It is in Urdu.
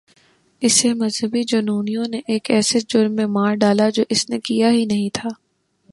اسے مذہبی جنونیوں نے ایک ایسے جرم میں مار ڈالا جو اس نے کیا ہی نہیں تھا۔